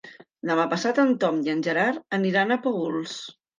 Demà passat en Tom i en Gerard aniran a Paüls.